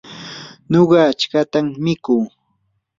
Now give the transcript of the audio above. nuqa achkatam mikuu.